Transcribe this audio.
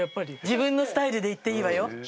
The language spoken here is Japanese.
自分のスタイルでいっていいわよ。